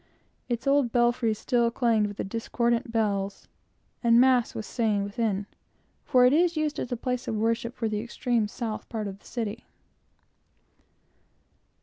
Its old belfries still clanged with the discordant bells, and Mass was saying within, for it is used as a place of worship for the extreme south part of the city.